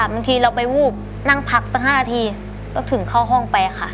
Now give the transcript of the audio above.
บางทีเราไปวูบนั่งพักสัก๕นาทีก็ถึงเข้าห้องไปค่ะ